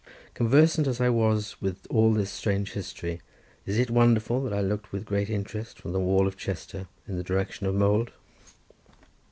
Conversant as I was with all this strange history, is it wonderful that I looked with great interest from the wall of Chester in the direction of Mold?